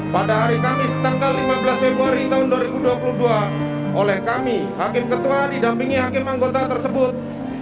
pada hari kamis tanggal lima belas februari tahun dua ribu dua puluh dua oleh kami hakim ketua didampingi hakim anggota tersebut